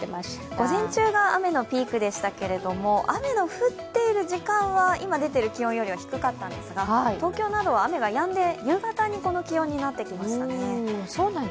午前中が雨のピークでしたけれども雨の降っている時間は今出ている気温より低かったんですが、東京などは雨がやんで、夕方にこの気温になってきましたね。